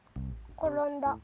ころんだ。